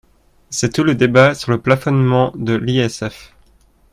C’est tout le débat sur le plafonnement de l’ISF.